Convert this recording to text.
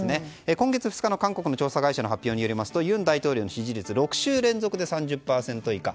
今月２日の韓国の調査会社の発表によりますと尹大統領の支持率は６週連続で３０％以下。